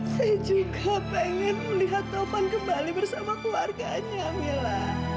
saya juga pengen melihat taufan kembali bersama keluarganya mila